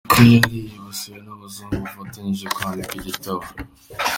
ko yali yabisabwe n’abazungu bafatanyije kwandika igitabo.